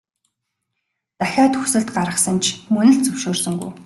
Дахиад хүсэлт гаргасан ч мөн л зөвшөөрсөнгүй.